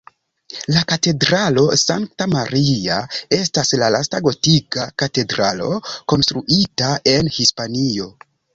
La Katedralo Sankta Maria estas la lasta gotika katedralo konstruita en Hispanio.